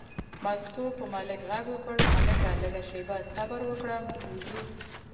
مستو په ملک غږ وکړ: ملکه لږه شېبه صبر وکړه، موږ وځو.